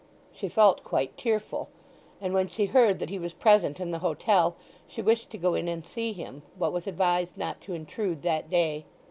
She felt quite tearful, and when she heard that he was present in the hotel she wished to go in and see him, but was advised not to intrude that day.